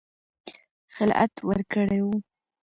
خلعت ورکړی وو.